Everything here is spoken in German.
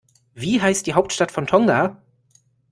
Wie heißt die Hauptstadt von Tonga?